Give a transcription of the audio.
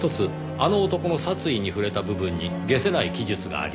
あの男の殺意に触れた部分に解せない記述がありました。